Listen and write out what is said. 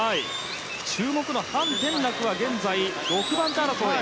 注目のハン・テンラクは現在、６番手争い。